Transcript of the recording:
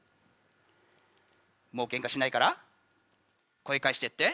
「もうけんかしないから声返して」って？